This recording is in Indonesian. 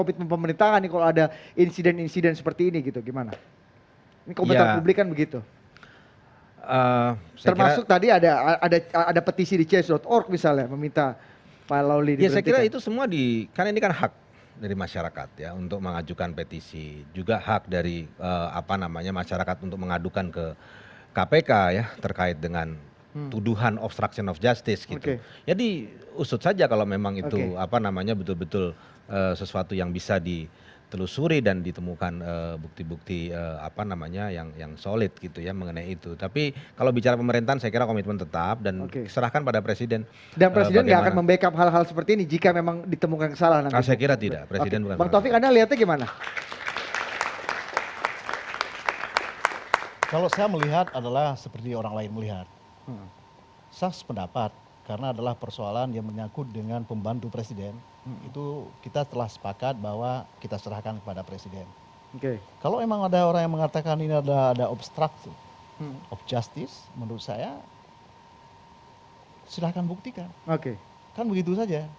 itulah menurut saya banyak pihak melihat seperti itu